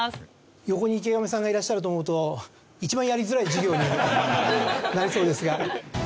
横に池上さんがいらっしゃると思うと一番やりづらい授業になりそうですが。